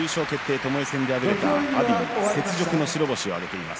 ともえ戦で敗れた阿炎に雪辱の白星は出ています。